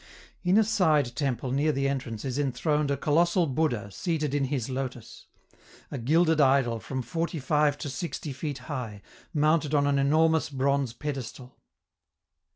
In a side temple near the entrance is enthroned a colossal Buddha seated in his lotus a gilded idol from forty five to sixty feet high, mounted on an enormous bronze pedestal.